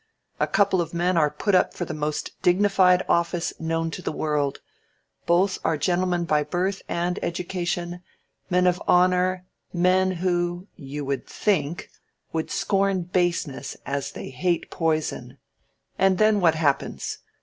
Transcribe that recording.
A couple of men are put up for the most dignified office known to the world both are gentlemen by birth and education, men of honor, men who, you would think, would scorn baseness as they hate poison and then what happens?